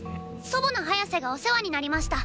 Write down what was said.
祖母のハヤセがお世話になりました。